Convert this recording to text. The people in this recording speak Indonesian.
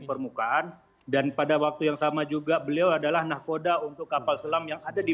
permukaan dan pada waktu yang sama juga beliau adalah nahkoda untuk kapal selam yang ada di